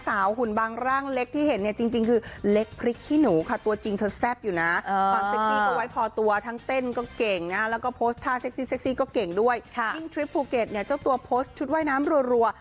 ซึ่งทริปภูเก็ตเนี่ยเจ้าตัวโพสต์ทุกว่ายน้ำรัว